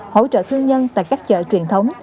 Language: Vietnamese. hỗ trợ thương nhân tại các chợ truyền thống